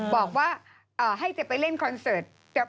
บอกว่าให้จะไปเล่นคอนเสิร์ต